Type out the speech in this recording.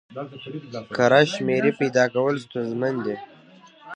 کره شمېرې پیدا کول ستونزمن دي.